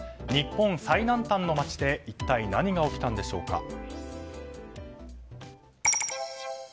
日本最南端の町で一体何が起きたんでしょうか。